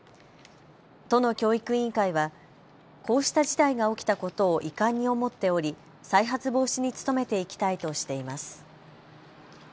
都の教育委員会はこうした事態が起きたことを遺憾に思っており再発防止に努めていきたいとしています。